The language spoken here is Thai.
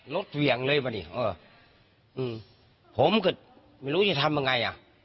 รถเวียงเลยป่ะเนี้ยอืมผมก็ไม่รู้จะทำไงอ่ะ